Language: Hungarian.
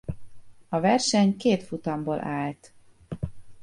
A verseny két futamból állt.